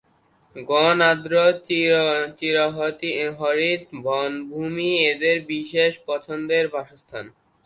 ঘন, আর্দ্র চিরহরিৎ বনভূমি এদের বিশেষ পছন্দের বাসস্থান।